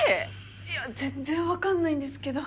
いや全然分かんないんですけど。